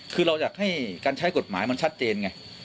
คือเราอยากให้การใช้กฎหมายมันชัดเจนไง